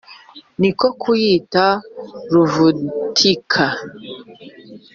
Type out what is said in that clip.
ni ko kuyita ruvutinka !